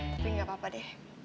tapi nggak apa apa deh